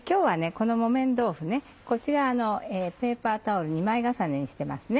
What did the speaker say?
こちらペーパータオル２枚重ねにしてますね。